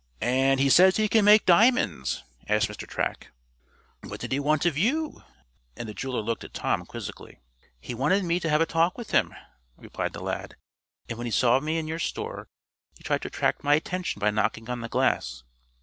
"And he says he can make diamonds?" asked Mr. Track. "What did he want of you?" and the jeweler looked at Tom, quizzically. "He wanted to have a talk with me," replied the lad, "and when he saw me in your store, he tried to attract my attention by knocking on the glass."